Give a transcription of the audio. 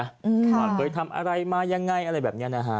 ว่าเคยทำอะไรมายังไงอะไรแบบนี้นะฮะ